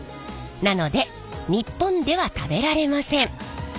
なので日本では食べられません。